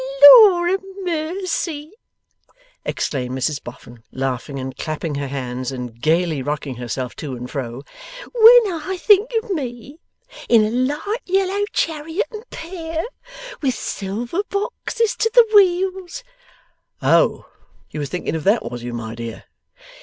'Lor a mussy!' exclaimed Mrs Boffin, laughing and clapping her hands, and gaily rocking herself to and fro, 'when I think of me in a light yellow chariot and pair, with silver boxes to the wheels ' 'Oh! you was thinking of that, was you, my dear?